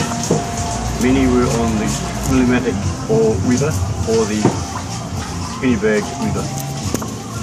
Many were on the Willimantic River or the Quinebaug River.